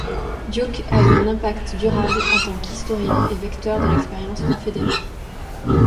Duke a eu un impact durable en tant qu'historien et vecteur de l'expérience confédérée.